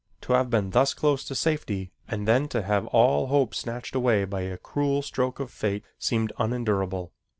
To have been thus close to safety and then to have all hope snatched away by a cruel stroke of fate seemed unendurable.